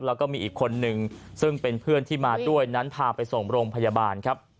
แล้วก็มีอีกคนนึงซึ่งเป็นเพื่อนที่มาด้วยนั้นพาไปส่งโรงพยาบาลครับ